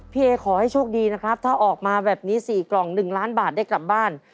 เอขอให้โชคดีนะครับถ้าออกมาแบบนี้๔กล่อง๑ล้านบาทได้กลับบ้าน